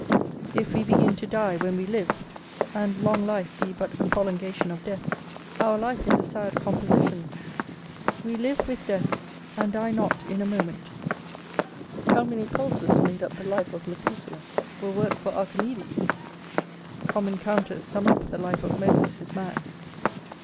If we begin to die when we live, and long life be but a prolongation of death, our life is a sad composition; we live with death, and die not in a moment. How many pulses made up the life of Methuselah, were work for Archimedes: common counters sum up the life of Moses his man.